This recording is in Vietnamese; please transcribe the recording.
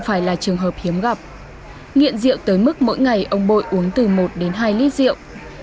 phải là trường hợp hiếm gặp nghiện rượu tới mức mỗi ngày ông bộ uống từ một đến hai lít rượu